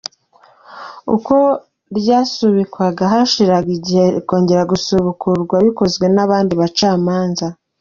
Uko ryasubikwaga, hashiraga igihe rikongera gusubukurwa bikozwe n’abandi bacamanza.